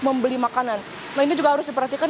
membeli makanan nah ini juga harus diperhatikan